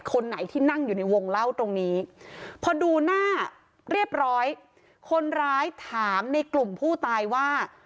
คนไหนที่นั่งอยู่ในวงเล่าตรงนี้พอดูหน้าเรียบร้อยคนร้ายถามในกลุ่มผู้ตายว่า